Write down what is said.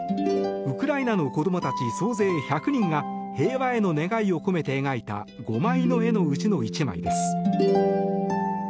ウクライナの子どもたち総勢１００人が平和への願いを込めて描いた５枚の絵のうちの１枚です。